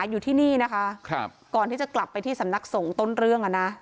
อยู่ที่นี่นะคะก่อนที่จะกลับไปที่สำนักสงฆ์ต้นเรื่องอ่ะนะ